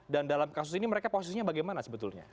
dan dalam kasus ini mereka posisinya bagaimana sebetulnya